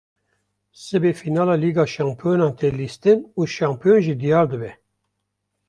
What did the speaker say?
Sibê fînala Lîga Şampiyonan tê lîstin û şampiyon jî diyar dibe